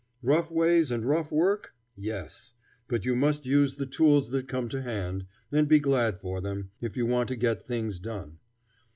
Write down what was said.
Rough ways and rough work? Yes, but you must use the tools that come to hand, and be glad for them, if you want to get things done.